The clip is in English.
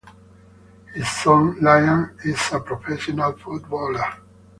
His son, Liam, is a professional footballer.